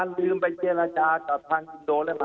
ในส่วนนี้